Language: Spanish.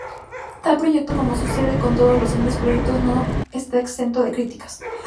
Tal proyecto, como sucede con todos los grandes proyectos, no está exento de críticas.